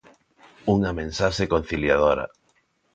Unha mensaxe conciliadora.